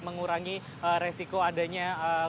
mengurangi resiko adanya